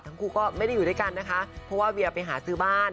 ทั้งคู่ก็ไม่ได้อยู่ด้วยกันนะคะเพราะว่าเวียไปหาซื้อบ้าน